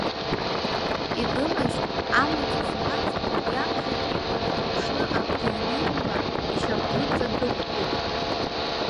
Игылаз, амаҵ зуаз, иаԥхьатәиқәа дырхыԥшны акгьы анимба, ишьапԥынҵа дықәгылт.